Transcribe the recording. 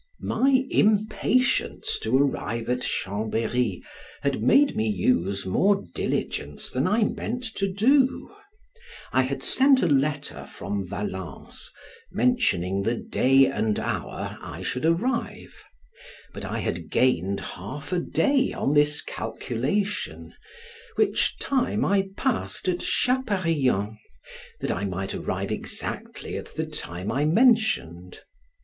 My impatience to arrive at Chambery had made me use more diligence than I meant to do. I had sent a letter from Valence, mentioning the day and hour I should arrive, but I had gained half a day on this calculation, which time I passed at Chaparillan, that I might arrive exactly at the time I mentioned.